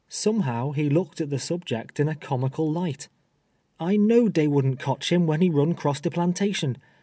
Somehow, he looked at the subject in a comical light. " I I'fiow'd dey wouhrnt cotch him, when he run cross de phmtation.